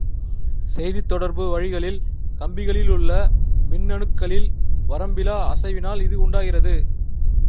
செய்தித்தொடர்பு வழிகளில் கம்பிகளிலுள்ள மின்னணுக்களில் வரம்பிலா அசைவினால் இது உண்டாகிறது.